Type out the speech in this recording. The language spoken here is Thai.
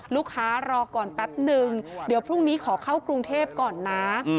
รอก่อนแป๊บนึงเดี๋ยวพรุ่งนี้ขอเข้ากรุงเทพก่อนนะ